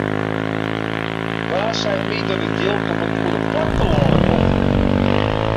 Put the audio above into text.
Wa seit my dat it jild op it goede plak telâne komt?